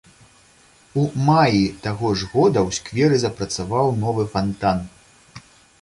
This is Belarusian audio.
У маі таго ж года ў скверы запрацаваў новы фантан.